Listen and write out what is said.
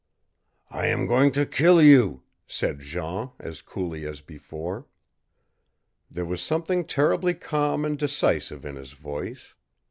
"I am going to kill you!" said Jean as coolly as before. There was something terribly calm and decisive in his voice.